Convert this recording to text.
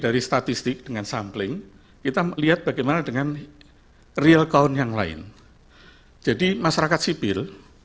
dari statistik dengan sampling kita melihat bagaimana dengan real count yang lain jadi masyarakat sipil